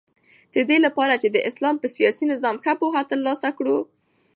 ددې لپاره چی د اسلام په سیاسی نظام ښه پوهه تر لاسه کړو